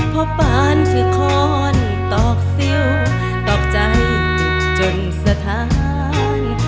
พอปานคือคอนตอกซิวตอกใจจนสะทาน